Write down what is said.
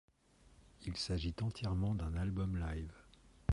Il s'agit entièrement d'un album live.